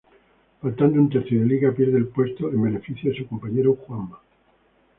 Faltando un tercio de liga pierde el puesto en beneficio de su compañero Juanma.